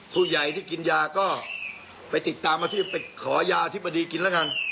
ผู้ใหญ่ที่กินยาก็ไปติดตามอาชีพไปขอยาอธิบดีกินแล้วกัน